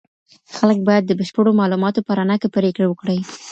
خلګ باید د بشپړو معلوماتو په رڼا کي پریکړې وکړي.